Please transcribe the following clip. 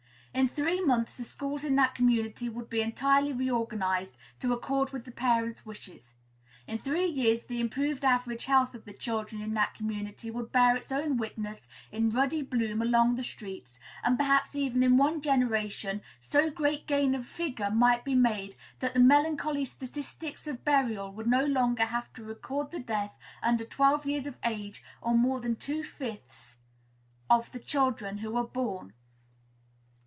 In three months the schools in that community would be entirely reorganized, to accord with the parents' wishes; in three years the improved average health of the children in that community would bear its own witness in ruddy bloom along the streets; and perhaps even in one generation so great gain of vigor might be made that the melancholy statistics of burial would no longer have to record the death under twelve years of age of more than two fifths of the children who are born.